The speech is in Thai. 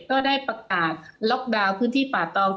ก็ได้ประกาศล็อกดาวน์พื้นที่ป่าตอง